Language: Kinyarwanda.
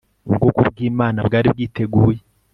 ubwoko bw imana bwari bwiteguye